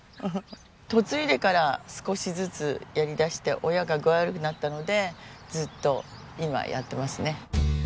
嫁いでから少しずつやりだして親が具合悪くなったのでずっと今やってますね。